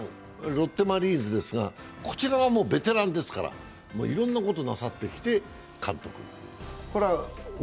ロッテマリーンズですが、こちらはもうベテランですからいろんなことなさってきて。